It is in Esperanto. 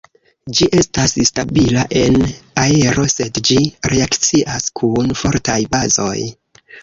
Ĝi estas stabila en aero sed ĝi reakcias kun fortaj bazoj.